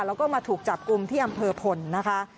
แล้วก็มาถูกจับกลุ่มที่อำเภอพลนะคะ